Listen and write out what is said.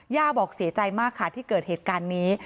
บอกเสียใจมากค่ะที่เกิดเหตุการณ์นี้